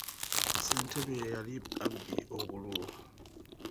Ssentebe yali abbye obululu.